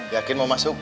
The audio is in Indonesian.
yakin mau masuk